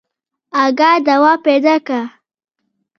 اگه دوا پيدا که.